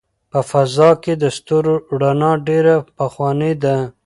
په فضا کې د ستورو رڼا ډېره پخوانۍ ده.